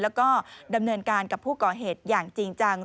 แล้วก็ดำเนินการกับผู้ก่อเหตุอย่างจริงจัง